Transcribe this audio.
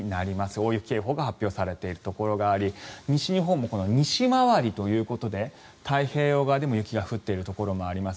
大雪警報が発表されているところがあり西日本も西回りということで太平洋側でも雪が降っているところもあります。